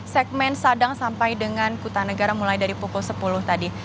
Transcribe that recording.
segmen sadang sampai dengan kutanegara mulai dari pukul sepuluh tadi